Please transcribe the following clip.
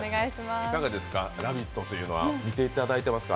「ラヴィット！」というのはあれから見ていただいていますか？